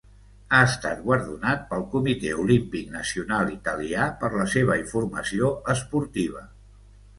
Ha estat guardonat pel Comitè Olímpic Nacional Italià per la seva informació esportiva.